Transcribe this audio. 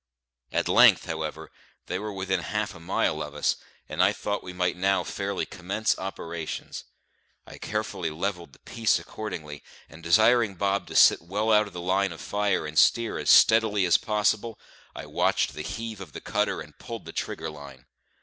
At length, however, they were within half a mile of us, and I thought we might now fairly commence operations. I carefully levelled the piece accordingly, and desiring Bob to sit well out of the line of fire and steer as steadily as possible, I watched the heave of the cutter, and pulled the trigger line.